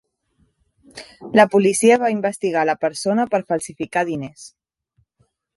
La policia va investigar la persona per falsificar diners.